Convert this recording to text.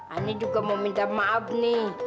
ani juga mau minta maaf nih